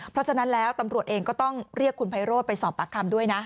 เพราะฉะนั้นแล้วตำรวจเองก็ต้องเรียกคุณไพโรธไปสอบปากคำด้วยนะ